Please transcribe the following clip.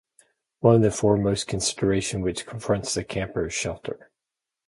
One of the foremost considerations which confronts the camper is shelter